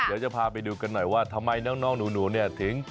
เดี๋ยวจะพาไปดูกันหน่อยว่าทำไมน้องหนูเนี่ยถึง